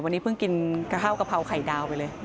วันนี้เพิ่งกินกะเพรากะเพราไข่ดาวไปเลย